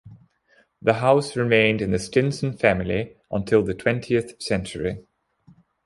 The house remained in the Stinson family until the twentieth century.